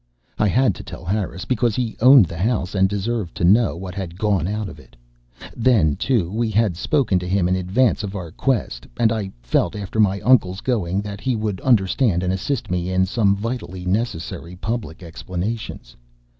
I had to tell Harris because he owned the house and deserved to know what had gone out of it. Then too, we had spoken to him in advance of our quest; and I felt after my uncle's going that he would understand and assist me in some vitally necessary public explanations.